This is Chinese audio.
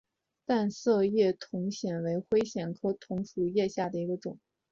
淡色同叶藓为灰藓科同叶藓属下的一个种。